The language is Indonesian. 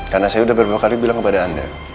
karena saya udah beberapa kali bilang kepada anda